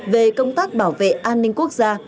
về công tác bảo vệ an ninh quốc gia